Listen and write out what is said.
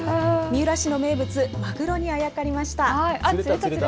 三浦市の名物、まぐろにあやかりました。